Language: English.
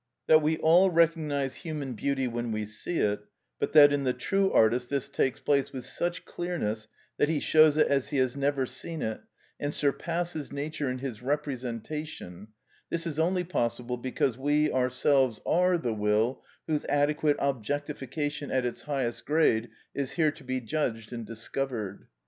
That we all recognise human beauty when we see it, but that in the true artist this takes place with such clearness that he shows it as he has never seen it, and surpasses nature in his representation; this is only possible because we ourselves are the will whose adequate objectification at its highest grade is here to be judged and discovered.